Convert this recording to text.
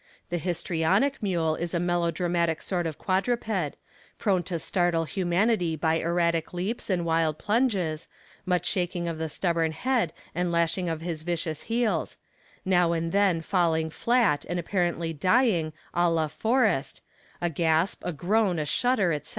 The histrionic mule is a melo dramatic sort of quadruped, prone to startle humanity by erratic leaps and wild plunges, much shaking of the stubborn head and lashing of his vicious heels; now and then falling flat, and apparently dying a la Forrest, a gasp, a groan, a shudder, etc.